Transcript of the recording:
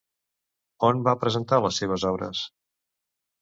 On va presentar les seves obres?